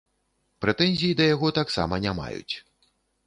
Прэтэнзій да яго таксама не маюць.